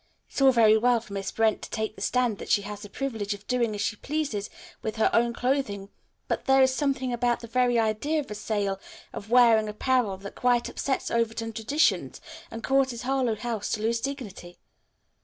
It's all very well for Miss Brent to take the stand that she has the privilege of doing as she pleases with her own clothing, but there is something about the very idea of a sale of wearing apparel that quite upsets Overton traditions and causes Harlowe House to lose dignity.